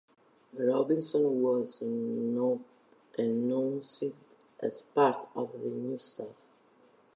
Robinson was not announced as part of the new staff.